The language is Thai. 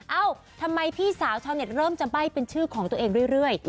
เอ้าทำไมพี่สาวชาวเน็ตเริ่มจะใบ้เป็นชื่อของตัวเองเรื่อย